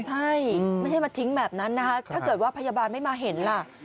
ไม่ใช่เขามาทิ้งแบบนั้นถ้าเกิดว่าพยาภาพไม่มาเห็น